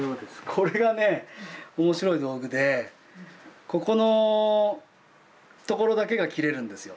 これがね面白い道具でここのところだけが切れるんですよ